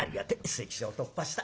関所を突破した。